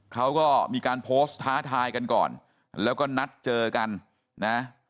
เขาก็มีการโพสต์ท้าทายกันก่อนแล้วก็นัดเจอกันนะ